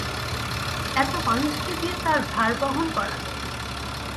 এত মানুষকে দিয়ে তার ভার বহন করাবে!